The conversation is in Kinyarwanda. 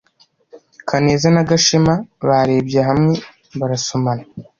Kaneza na Gashema barebye hamwe barasomana.